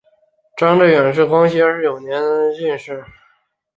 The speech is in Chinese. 张智远是光绪二十九年癸卯科进士。